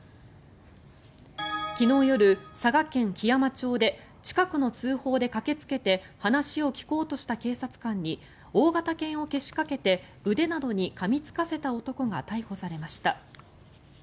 昨日夜、佐賀県基山町で近くの通報で駆けつけて話を聞こうとした警察官に大型犬をけしかけて腕などにかみつかせた男が逮捕されました。